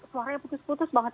suaranya putus putus banget